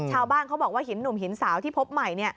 ชาวบ้านเขาบอกว่าหินหนุ่มหินสาวที่พบใหม่